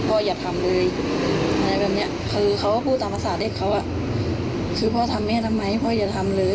อย่าทำเลยอะไรแบบเนี้ยคือเขาก็พูดตามภาษาเด็กเขาอ่ะคือพ่อทำแม่ทำไมพ่ออย่าทำเลย